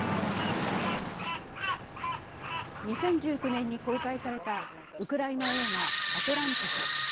２０１９年に公開されたウクライナ映画「アトランティス」